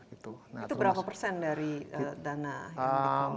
itu berapa persen dari dana yang dikelola